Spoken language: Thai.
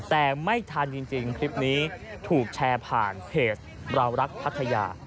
แต่ไม่ทันจริงคลิปนี้ถูกแชร์ผ่านเพจเรารักพัทยา